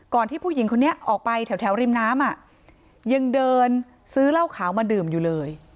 ที่ผู้หญิงคนนี้ออกไปแถวริมน้ำยังเดินซื้อเหล้าขาวมาดื่มอยู่เลย